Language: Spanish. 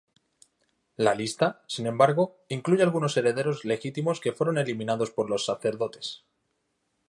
La lista, sin embargo, incluye algunos herederos legítimos que fueron eliminados por los sacerdotes.